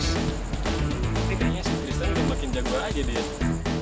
kayaknya tristan udah makin jago aja dia